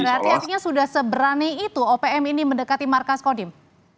artinya sudah seberani itu opm ini mendekati markas kodim